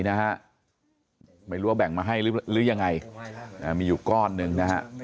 นะฮะไม่รู้แบ่งมาให้หรือยังไงมีอยู่ก็อดนึง